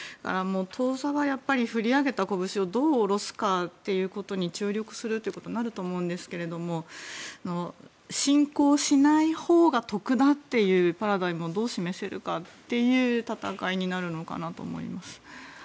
当座はやっぱり、振り上げた拳をどう下ろすかに注力するということになると思うんですけど侵攻しないほうが得だというパラダイムをどう示せるかという戦いになるのかなと思います。